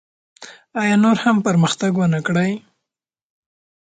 آیا نور هم پرمختګ ونکړي؟